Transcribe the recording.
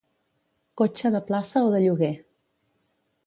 Cotxe de plaça o de lloguer.